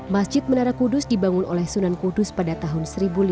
masjid menara kudus dibangun oleh sunan kudus pada tahun seribu lima ratus